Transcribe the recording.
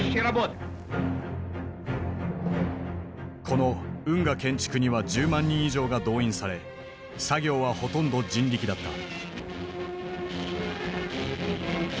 この運河建築には１０万人以上が動員され作業はほとんど人力だった。